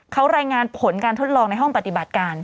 เขารายงานผลการทดลองในห้องปฏิบัติการ